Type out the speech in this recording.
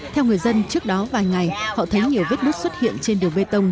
theo người dân trước đó vài ngày họ thấy nhiều vết bút xuất hiện trên đường bê tông